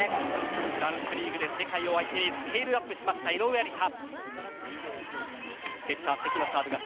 フランスリーグで世界を相手にスケールアップした井上愛里沙。